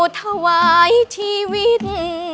ทวายทีวิช